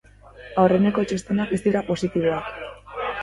Aurreneko txostenak ez dira positiboak.